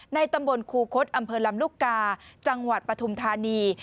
ตำบลคูคศอำเภอลำลูกกาจังหวัดปฐุมธานี